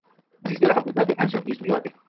Asistió a la facultad de Armstrong y estudió arte.